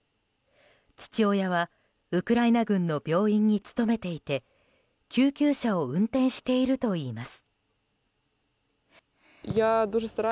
父親はウクライナ軍の病院に勤めていて救急車を運転しているといいます。